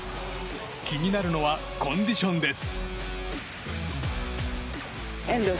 気になるのはコンディションです。